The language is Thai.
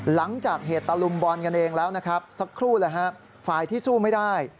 หลังจากเหตุตลุมบลกันเองแล้วสักครู่ฝ่ายที่สู้ไม่ได้